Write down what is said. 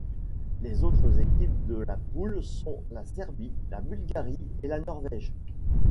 Les autres équipes de la poule sont la Serbie, la Bulgarie et la Norvège.